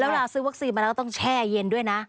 เวลาซื้อวัคซีนมาแล้วต้องแช่เย็นด้วยนะ